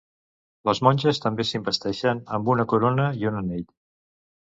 Les monges també s'investeixen amb una corona i un anell.